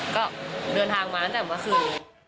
ก็เดินทางมาตั้งแต่เมื่อคืน